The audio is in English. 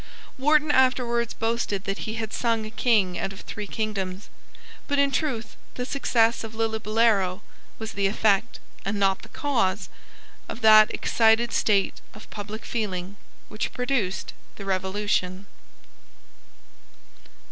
Wharton afterwards boasted that he had sung a King out of three kingdoms. But in truth the success of Lillibullero was the effect, and not the cause, of that excited state of public feeling which produced the Revolution.